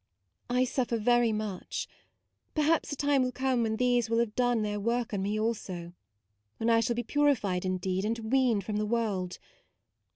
I suffer very much. Perhaps a time will come when these will have done their work on me also ; when I shall be purified indeed and weaned from the world.